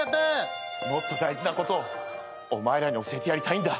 もっと大事なことをお前らに教えてやりたいんだ。